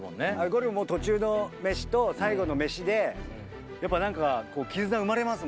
ゴルフも途中の飯と最後の飯でやっぱ何か絆が生まれますもん。